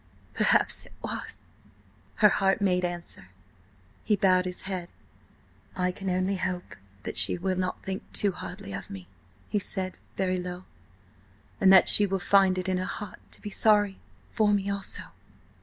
"Perhaps it was," her hurt heart made answer He bowed his head. "I can only hope that she will not think too hardly of me," he said, very low. "And that she will find it in her heart to be sorry–for me–also."